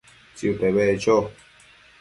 Tsiute beccho